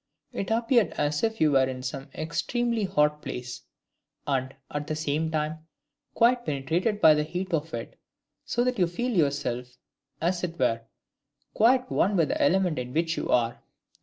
It appeared as if you were in some extremely hot place, and, at the same time, quite penetrated by the heat of it, so that you feel yourself, as it were, quite one with the element in which you are.